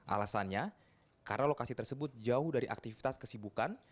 alasannya karena lokasi tersebut jauh dari aktivitas kesibukan